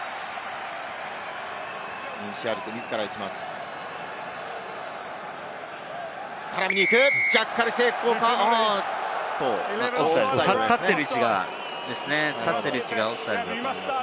インシアルテ、自ら行きます。